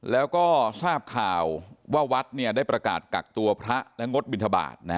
แล้วก็ทราบข่าวว่าวัดได้ประกาศกักตัวพระและงดบินทบาท